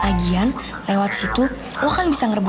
lagian lewat situ lo kan dikasih seragam resmi